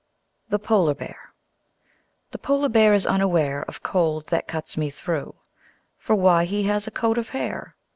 The Polar Bear The Polar Bear is unaware Of cold that cuts me through: For why? He has a coat of hair.